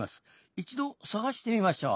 一度探してみましょう。